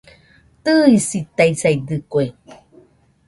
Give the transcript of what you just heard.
Tɨisitaisaidɨkue